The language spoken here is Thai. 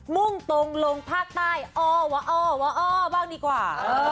มุ่งตรงลงภาคใต้อ้อวะอ้อวะอบ้างดีกว่า